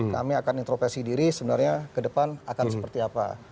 kami akan introversi diri sebenarnya ke depan akan seperti apa